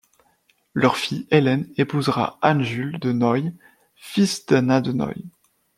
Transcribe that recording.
Leur fille Hélène épousera Anne-Jules de Noailles, fils d'Anna de Noailles.